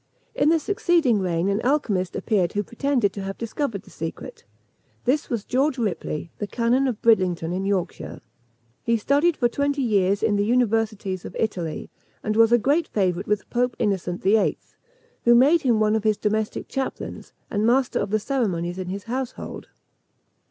In the succeeding reign an alchymist appeared who pretended to have discovered the secret. This was George Ripley, the canon of Bridlington, in Yorkshire. He studied for twenty years in the universities of Italy, and was a great favourite with Pope Innocent VIII., who made him one of his domestic chaplains, and master of the ceremonies in his household.